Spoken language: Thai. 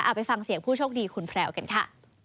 ไปฟังเสียงผู้โชคดีคุณแพลวกันค่ะ